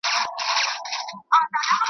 له کارونو یې وه ستړي اندامونه .